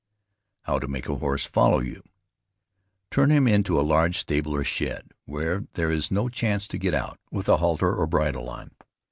HOW TO MAKE A HORSE FOLLOW YOU. Turn him into a large stable or shed, where there is no chance to get out, with a halter or bridle on.